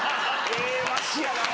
ええ和紙やなぁ。